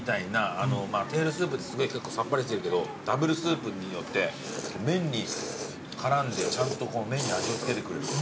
テールスープってすごい結構さっぱりしてるけどダブルスープによって麺に絡んでちゃんとこの麺に味をつけてくれる。